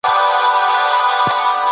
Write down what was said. غير مسلمانان په ورځنيو چارو کي خپلواک دي.